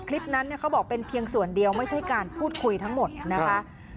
คลิปนั้นเขาบอกเป็นเพียงส่วนเดียวไม่ใช่การพูดคุยทั้งหมดนะคะ